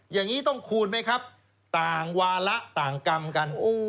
อย่างนี้ต้องคูณไหมครับต่างวาระต่างกรรมกัน